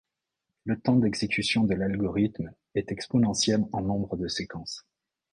Le temps d'exécution de l'algorithme est exponentiel en nombre de séquences.